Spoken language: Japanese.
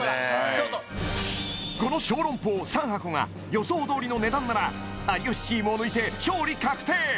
この小籠包３箱が予想どおりの値段なら有吉チームを抜いて勝利確定！